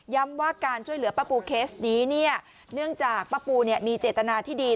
ว่าการช่วยเหลือป้าปูเคสนี้เนี่ยเนื่องจากป้าปูมีเจตนาที่ดี